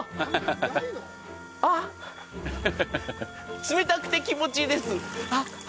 あっ、冷たくて気持ちいいです。